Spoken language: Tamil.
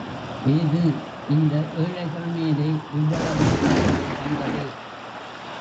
ஏது இந்த ஏழைகள் மேலே இவ்வளவு தயவு வந்தது!